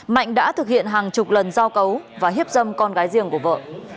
mạnh đã thực hiện hàng chục lần giao cấu và hiếp dâm con gái riêng của vợ